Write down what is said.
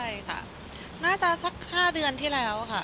ใช่ค่ะน่าจะสัก๕เดือนที่แล้วค่ะ